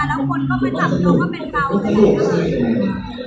แล้วคนก็ไปหลับน้องก็เป็นเบาอะไรแบบนี้ค่ะ